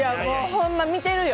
ほんま見てるよ。